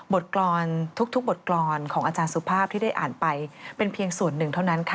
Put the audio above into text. กรอนทุกบทกรรมของอาจารย์สุภาพที่ได้อ่านไปเป็นเพียงส่วนหนึ่งเท่านั้นค่ะ